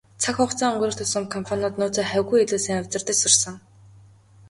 Цаг хугацаа өнгөрөх тусам компаниуд нөөцөө хавьгүй илүү сайн удирдаж сурсан.